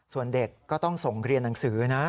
ส่วนเด็กก็ต้องส่งเรียนหนังสือนะ